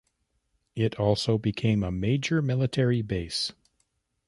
It also became a major military base.